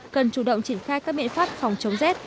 cần chủ động chỉnh khai các biện pháp phòng chống rết